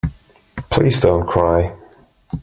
Please don't cry.